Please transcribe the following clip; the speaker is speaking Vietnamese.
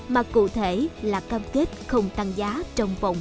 mà cụ thể là cam kết không tăng giá trong vòng